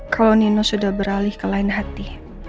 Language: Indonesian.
kalau nino sudah beralih ke lain hati